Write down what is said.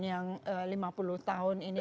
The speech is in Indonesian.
yang lima puluh tahun ini